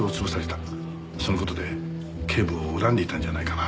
その事で警部を恨んでいたんじゃないかな。